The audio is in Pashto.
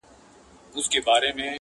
دا کيسه د فکر سبب ګرځي او احساس ژوروي تل